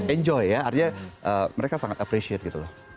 enjoy ya artinya mereka sangat appreciate gitu loh